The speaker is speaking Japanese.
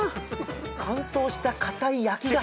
乾燥した硬い焼き菓子？